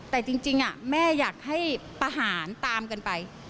แต่จริงแม่อยากให้ประหารตามกันไป